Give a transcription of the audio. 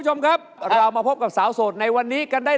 เพราะว่ารายการหาคู่ของเราเป็นรายการแรกนะครับ